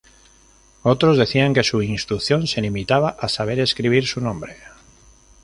Otros decían que su instrucción se limitaba a saber escribir su nombre.